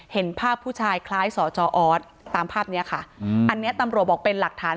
เห็นภาพผู้ชายคล้ายสจอตามภาพนี้ค่ะ